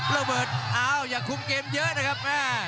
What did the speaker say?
ระเบิดอ้าวอย่าคุมเกมเยอะนะครับ